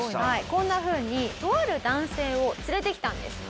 こんな風にとある男性を連れてきたんです。